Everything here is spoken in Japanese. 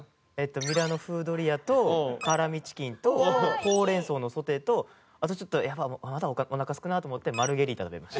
ミラノ風ドリアと辛味チキンとほうれん草のソテーとあとちょっとやっぱまだおなかすくなって思ってマルゲリータ食べました。